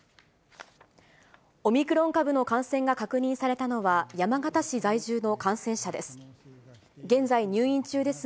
オミクロン株の感染が確認されたのは、山形市在住の感染者です。